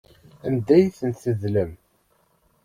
Anda ay ten-tedlem?